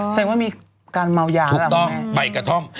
แสดงว่ามีการเม้ายาหรือเปล่าแม่งอ๋อถูกต้องใบกระท่อม